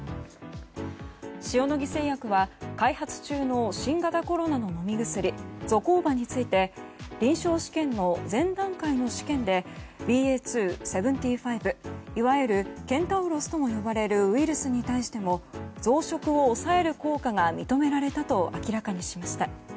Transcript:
塩野義製薬は開発中の新型コロナの飲み薬ゾコーバについて臨床試験の前段階の試験でＢＡ．２．７５いわゆるケンタウロスとも呼ばれるウイルスに対しても増殖を抑える効果が認められたと明らかにしました。